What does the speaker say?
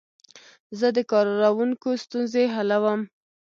زه د کاروونکو ستونزې حلوم.